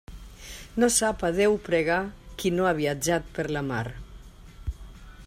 No sap a Déu pregar qui no ha viatjat per la mar.